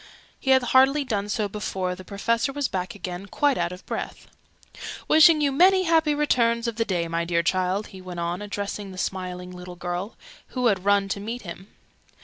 He had hardly done so before the Professor was back again, quite out of breath. "Wishing you many happy returns of the day, my dear child!" he went on, addressing the smiling little girl, who had run to meet him.